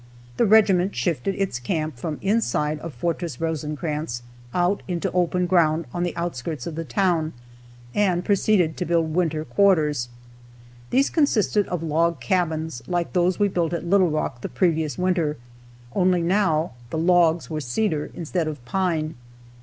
The regiment shifted its camp from the inside of Fortress Rosecrans out into open ground on the outskirts of the town, and proceeded to build winter quarters. These consisted of log cabins, like those we built at Little Rock the previous winter, only now the logs were cedar instead of pine.